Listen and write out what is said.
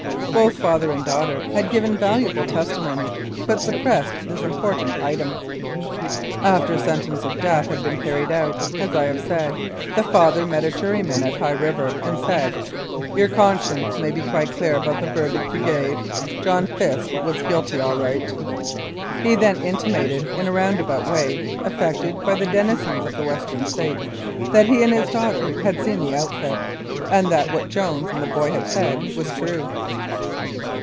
Both father and daughter had given valuable testimony but sup^ pressed this important item. After sentence of death had been carried out, as I have said, the father met a juryman at High River, and said: "Your conscience may be quite clear about the verdict you gave : John Fisk was guilty all right." He then intimated, in a round about way, affected by the denizens of the Western States, that he and his daughter had seen the outfit and that what Jones and the boy had said was rue.